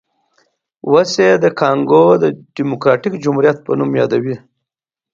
اوس یې د کانګو ډیموکراټیک جمهوریت په نوم یادوي.